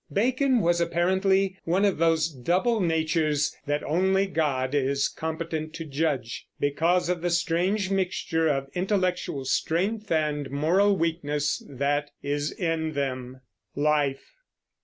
Bacon was apparently one of those double natures that only God is competent to judge, because of the strange mixture of intellectual strength and moral weakness that is in them. LIFE.